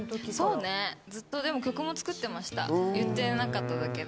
でもずっと曲も作ってました、言ってなかっただけで。